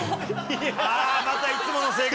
ああまたいつもの生活。